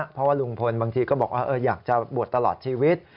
เพราะว่าลุงพลบางทีก็บอกว่าอยากจะบวชตลอดชีวิต